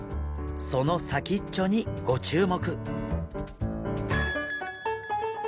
その先っちょにご注目！